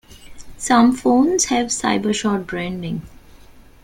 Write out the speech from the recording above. Some phones have Cyber-shot branding.